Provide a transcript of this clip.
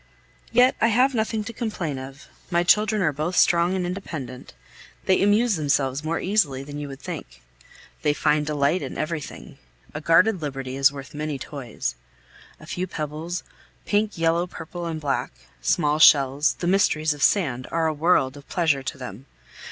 Yet I have nothing to complain of. My children are both strong and independent; they amuse themselves more easily then you would think. They find delight in everything; a guarded liberty is worth many toys. A few pebbles pink, yellow, purple, and black, small shells, the mysteries of sand, are a world of pleasure to them.